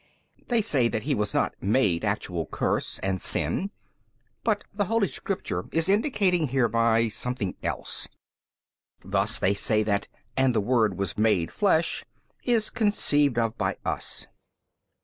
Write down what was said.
They say that He was not MADE actual curse and sin, but the holy Scripture is indicating hereby something else: thus they say that And the Word WAS MADE flesh is conceived of by us.